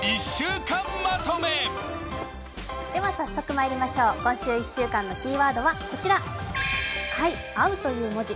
早速まいりましょう、今週１週間のキーワードはこちら、「会」という文字